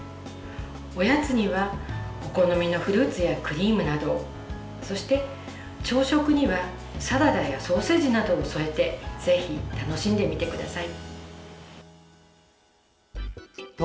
おやつには、お好みのフルーツやクリームなどそして朝食にはサラダやソーセージなどを添えてぜひ楽しんでみてください。